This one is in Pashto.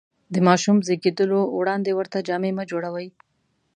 د ماشوم زېږېدلو وړاندې ورته جامې مه جوړوئ.